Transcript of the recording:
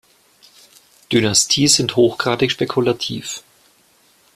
Dynastie sind hochgradig spekulativ.